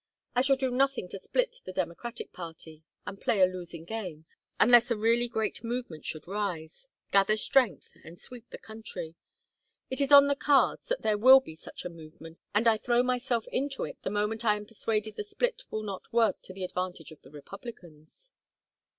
I shall do nothing to split the Democratic party and play a losing game unless a really great movement should rise, gather strength, and sweep the country. It is on the cards that there will be such a movement, and I throw myself into it the moment I am persuaded the split will not work to the advantage of the Republicans."